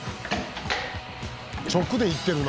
直でいってるな！